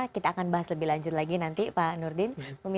kita akan bahas lebih lanjut lagi nanti pak nurdin